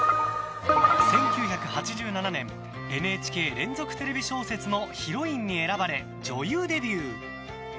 １９８７年ＮＨＫ連続テレビ小説のヒロインに選ばれ女優デビュー。